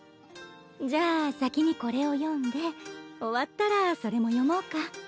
じゃあ先にこれを読んで終わったらそれも読もうか。